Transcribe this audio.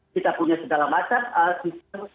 kita punya segala macam sistem